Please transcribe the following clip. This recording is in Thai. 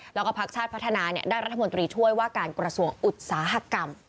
พรรดิภาคชาติพัฒนานี้ได้รัฐมนตรีช่วยว่าการกระทรวงอุตสาหกรรม